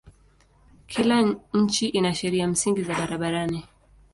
Kila nchi ina sheria msingi za barabarani.